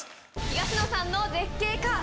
東野さんの絶景か？